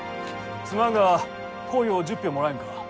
すまんがこいを１０俵もらえんか。